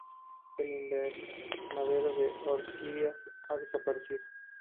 El invernadero de orquídeas ha desaparecido.